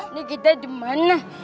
ini kita dimana